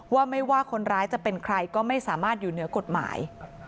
ว่าไม่ว่าคนร้ายจะเป็นใครก็ไม่สามารถอยู่เหนือกฎหมาย